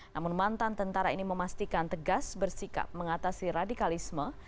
namun mantan tentara ini memastikan tegas bersikap mengatasi radikalisme